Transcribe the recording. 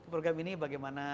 program ini bagaimana